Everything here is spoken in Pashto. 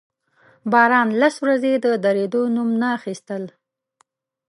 باران لس ورځې د درېدو نوم نه اخيستل.